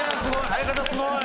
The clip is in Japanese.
相方すごい！